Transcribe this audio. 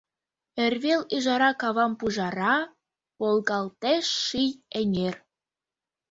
Эрвел ӱжара Кавам пужара, Волгалтеш ший эҥер.